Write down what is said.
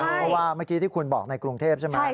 เพราะว่าเมื่อกี้ที่คุณบอกในกรุงเทพใช่ไหม